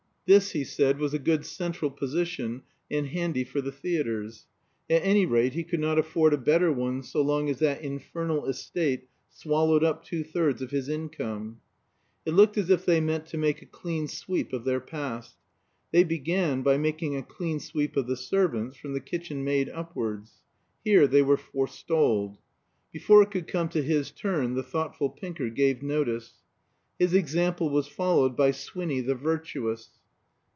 This, he said, was a good central position and handy for the theatres. At any rate, he could not afford a better one so long as that infernal estate swallowed up two thirds of his income. It looked as if they meant to make a clean sweep of their past. They began by making a clean sweep of the servants, from the kitchen maid upwards. Here they were forestalled. Before it could come to his turn the thoughtful Pinker gave notice. His example was followed by Swinny the virtuous.